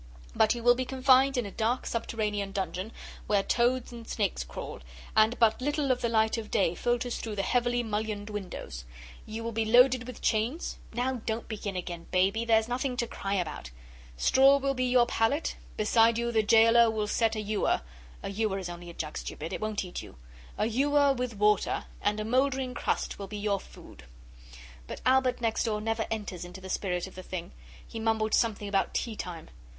But you will be confined in a dark, subterranean dungeon where toads and snakes crawl, and but little of the light of day filters through the heavily mullioned windows. You will be loaded with chains. Now don't begin again, Baby, there's nothing to cry about; straw will be your pallet; beside you the gaoler will set a ewer a ewer is only a jug, stupid; it won't eat you a ewer with water; and a mouldering crust will be your food.' But Albert next door never enters into the spirit of a thing. He mumbled something about tea time.